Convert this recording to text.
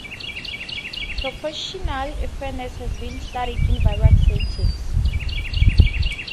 Proportional fairness has been studied in various settings.